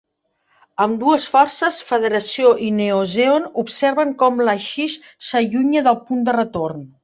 Ambdues forces Federació i Neo-Zeon observen com l'Axis s'allunya del punt de retorn.